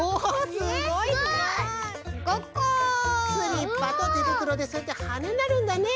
スリッパとてぶくろでそうやってはねになるんだね。